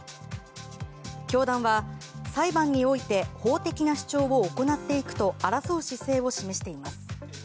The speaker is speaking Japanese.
教団は、裁判において法的な主張を行っていくと争う姿勢を示しています。